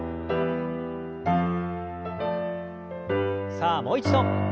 さあもう一度。